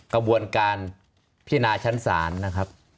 กระบวนการพินาชั้นศาลนะครับ